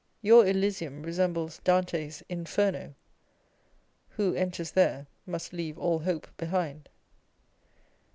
Your Elysium resembles Dante's Inferno â€" " Who enters there must leave all hope behind